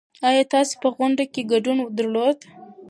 ايا تاسې په غونډه کې ګډون درلود؟